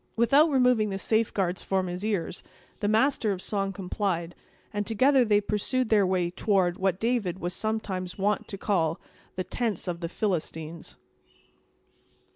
Without removing the safeguards form his ears, the master of song complied, and together they pursued their way toward what David was sometimes wont to call the "tents of the Philistines."